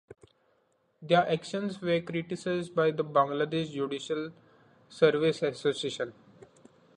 Their actions were criticised by the Bangladesh Judicial Service Association.